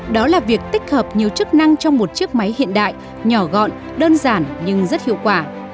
đó là việc tích hợp nhiều chức năng trong một chiếc máy hiện đại nhỏ gọn đơn giản nhưng rất hiệu quả